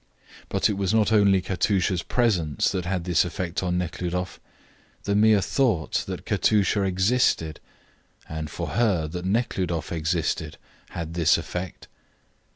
But it was not only Katusha's presence that had this effect on Nekhludoff. The mere thought that Katusha existed (and for her that Nekhludoff existed) had this effect.